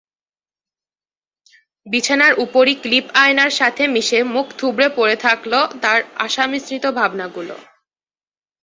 বিছানার উপরই ক্লিপ-আয়নার সাথে মিশে মুখ থুবড়ে পড়ে থাকলো তার আশামিশ্রিত ভাবনাগুলো।